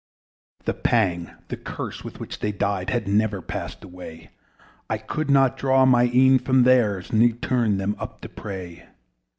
The pang, the curse, with which they died, Had never passed away: I could not draw my eyes from theirs, Nor turn them up to pray.